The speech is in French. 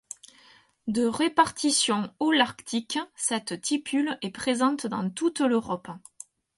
De répartition holarctique, cette tipule est présente dans toute l'Europe.